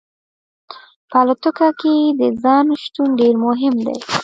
په الوتکه کې د ځای شتون ډیر مهم دی